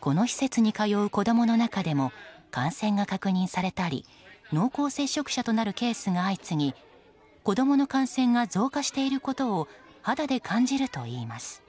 この施設に通う子供の中でも感染が確認されたり濃厚接触者となるケースが相次ぎ子供の感染が増加していることを肌で感じるといいます。